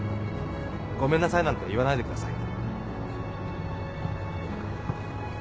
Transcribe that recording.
ごめんなさいなんて言わないでください。